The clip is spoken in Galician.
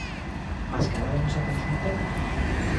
Mascarada a nosa consulta?